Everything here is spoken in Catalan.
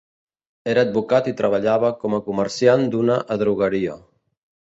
Era advocat i treballava com a comerciant d'una adrogueria.